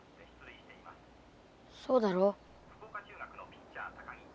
そうだろ？